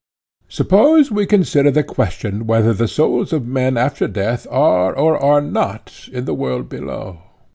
Suppose we consider the question whether the souls of men after death are or are not in the world below.